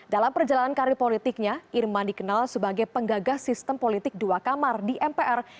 dalam perjalanan karir politiknya irman dikenal sebagai penggagas sistem politik dua kamar di mpr